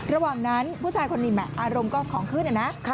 ระหว่างนั้นผู้ชายคนนี้อารมณ์ก็ของขึ้นนะ